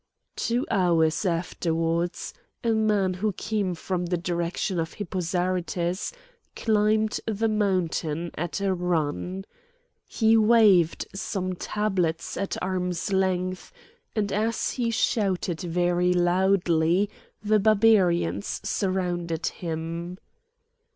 Two hours afterwards a man who came from the direction of Hippo Zarytus climbed the mountain at a run. He waved some tablets at arm's length, and as he shouted very loudly the Barbarians surrounded him.